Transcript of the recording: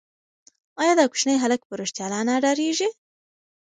ایا دا کوچنی هلک په رښتیا له انا ډارېږي؟